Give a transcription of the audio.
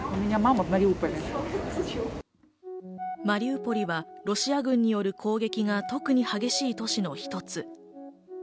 マリウポリはロシア軍による攻撃が特に激しい都市の１つ。